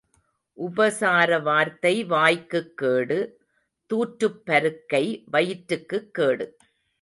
உபசார வார்த்தை வாய்க்குக் கேடு தூற்றுப் பருக்கை வயிற்றுக்குக் கேடு.